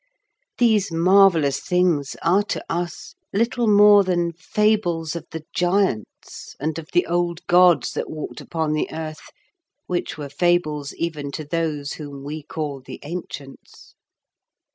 These marvellous things are to us little more than fables of the giants and of the old gods that walked upon the earth, which were fables even to those whom we call the ancients.